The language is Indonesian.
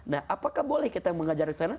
nah apakah boleh kita mengajar di sana